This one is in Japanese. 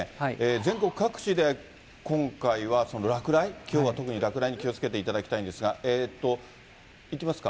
全国各地で今回は落雷、きょうは特に落雷に気をつけていただきたいんですが、いきますか。